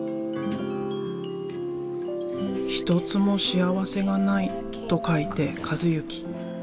「一つも幸せがない」と書いて「一幸」。